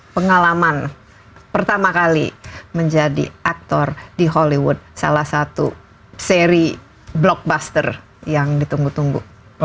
pengalaman pertama kali menjadi aktor di hollywood salah satu seri blockbuster yang ditunggu tunggu